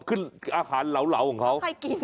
ของแบบขึ้นอาหารเหลาของเขา